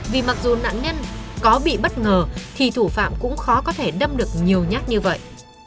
vì mặc dù nạn nhân có bị bất ngờ thì thủ phạm cũng khó có thể đâm được nhiều nhát như vậy